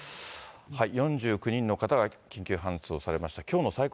４９人の方が緊急搬送されました。